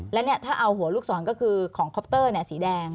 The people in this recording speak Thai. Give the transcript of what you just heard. และเนี่ยถ้าเอาหัวลูกศรก็คือของคอปเตอร์เนี่ยสีแดง